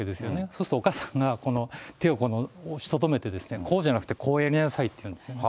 そうするとお母さんが、この手を押しとどめて、こうじゃなくて、こうやりなさいって言うんですね。